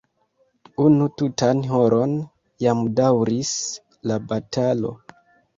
Unu tutan horon jam daŭris la batalo.